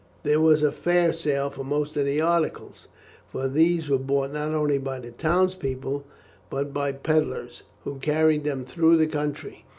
There was a fair sale for most of the articles, for these were bought not only by the townspeople, but by pedlars, who carried them through the country.